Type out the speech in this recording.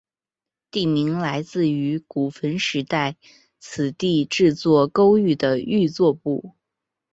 地名来自于古坟时代此地制作勾玉的玉作部。